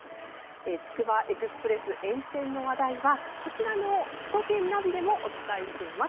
つくばエクスプレス沿線の話題はこちらの首都圏ナビでもお伝えしています。